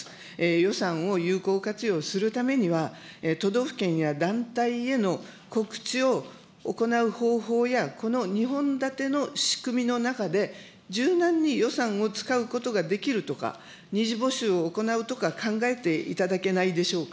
予算を有効活用するためには、都道府県や団体への告知を行う方法やこの２本立ての仕組みの中で、柔軟に予算を使うことができるとか、２次募集を行うとか、考えていただけないでしょうか。